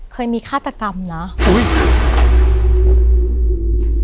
เคยมีฆาตกรรมนะอุ้ย